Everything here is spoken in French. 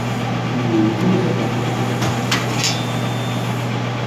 Le bureau centralisateur est situé à Felletin.